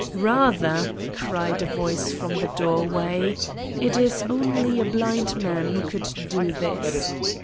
"Rather," cried a voice from the doorway, "it is only a blind man who could do this.